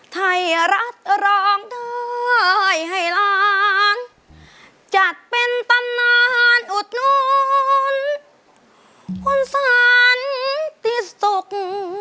ไทยรัฐรองได้ให้ล้างจัดเป็นตำนานอุดนุ่นอ่อนสันติศุกร์